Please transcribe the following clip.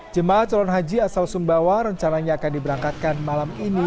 jemaah calon haji asal sumbawa rencananya akan diberangkatkan malam ini